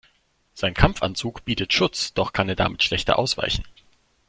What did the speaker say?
Sein Kampfanzug bietet Schutz, doch kann er damit schlechter ausweichen.